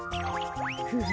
フフ。